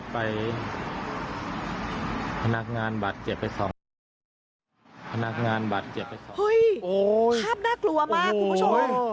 ภาพน่ากลัวมากคุณผู้ชม